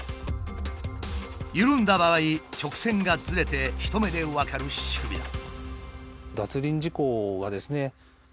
緩んだ場合直線がずれて一目で分かる仕組みだ。